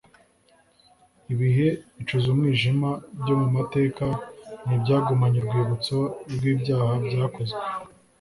Ibihe bicuze umwijima byo mu mateka ni ibyagumanye urwibutso rw'ibyaha byakozwe